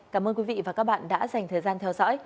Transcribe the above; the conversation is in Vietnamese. cảm ơn quý vị và các bạn đã dành thời gian theo dõi